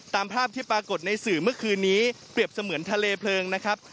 ตามภาพที่ปรากฏในสื่อเมื่อคืนนี้เปรียบเสมือนทะเลเพลิงนะครับ